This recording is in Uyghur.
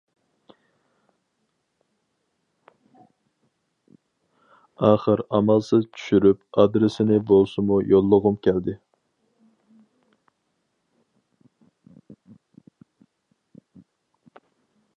ئاخىر ئامالسىز چۈشۈرۈش ئادرېسىنى بولسىمۇ يوللىغۇم كەلدى.